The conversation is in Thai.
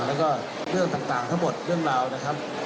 แล้วก็เรื่องต่างทั้งหมดเรื่องราวนะครับ